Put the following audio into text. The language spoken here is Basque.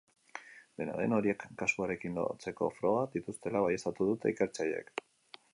Dena den, horiek kasuarekin lotzeko frogak dituztela baieztatu dute ikertzaileek.